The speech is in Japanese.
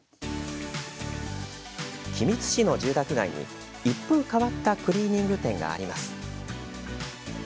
君津市の住宅街に一風変わったクリーニング店があります。